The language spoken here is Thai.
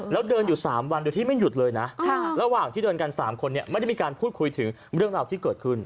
แล้วเดินอยู่๓วันโดยที่ไม่หยุดเลยนะระหว่างที่เดินกัน๓คนไม่ได้มีการพูดคุยถึงเรื่องราวที่เกิดขึ้น